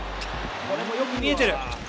これもよく見えてる。